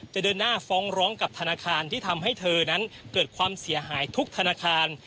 เดินหน้าฟ้องร้องกับธนาคารที่ทำให้เธอนั้นเกิดความเสียหายทุกธนาคาร